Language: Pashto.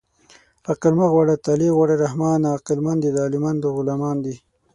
عقل مه غواړه طالع غواړه رحمانه عقلمند د طالعمندو غلامان دي